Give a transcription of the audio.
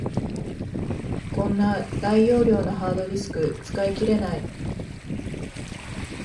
こんな大容量のハードディスク、使い切れない